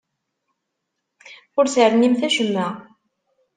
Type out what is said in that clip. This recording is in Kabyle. Ur ternimt acemma.